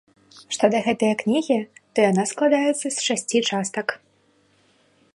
Што да гэтае кнігі, то яна складаецца з шасці частак.